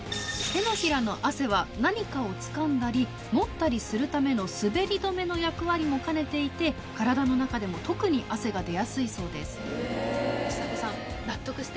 手のひらの汗は何かをつかんだり持ったりするための滑り止めの役割も兼ねていて体の中でも特に汗が出やすいそうです。